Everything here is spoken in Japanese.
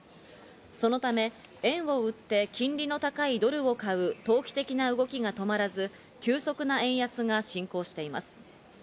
そのため円を売って金利の高いドルを買う投機的な動きが止まらず、急速な円安が進行しています。